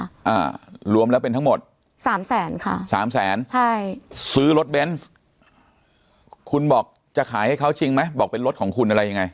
อ่ารวมแล้วเป็นทั้งหมดสามแสนค่ะสามแสนใช่ซื้อรถเบนส์คุณบอกจะขายให้เขาจริงไหมบอกเป็นรถของคุณอะไรยังไง